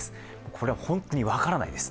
これは本当に分からないです。